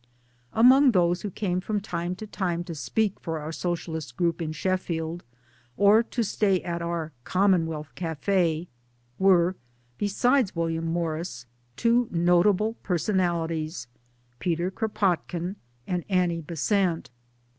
Among those Who came frorri time to time to speak for our Socialist group in Sheffield or to stay at our " Commonwealth " Cafe were, besides William Morris, two notable personalities Peter Kropotkin and Annie Besant.